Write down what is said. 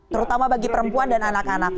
terutama bagi perempuan dan anak anak